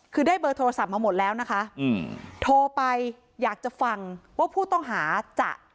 คือได้เบอร์โทรศัพท์มาหมดแล้วนะคะอืมโทรไปอยากจะฟังว่าผู้ต้องหาจะ